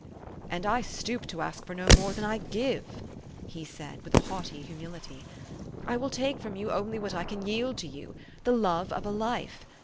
"" And I stoop to ask for no more than I give," he said with a haughty humility. u I will take from you only what I can yield to you, the love of a life.